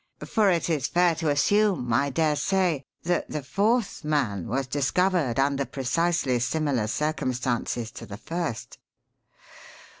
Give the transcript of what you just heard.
For it is fair to assume, I daresay, that the fourth man was discovered under precisely similar circumstances to the first."